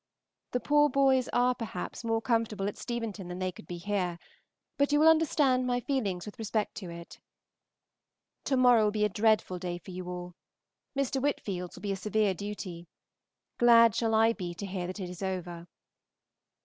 The poor boys are, perhaps, more comfortable at Steventon than they could be here, but you will understand my feelings with respect to it. To morrow will be a dreadful day for you all. Mr. Whitfield's will be a severe duty. Glad shall I be to hear that it is over.